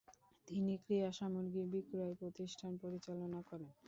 তিনি ক্রীড়াসামগ্রী বিক্রয় প্রতিষ্ঠান পরিচালনা করেন।